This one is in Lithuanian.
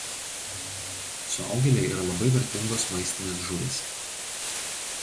Suaugėliai yra labai vertingos maistinės žuvys.